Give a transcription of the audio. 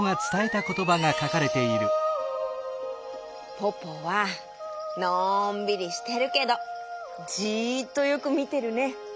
ポポはのんびりしてるけどじっとよくみてるね！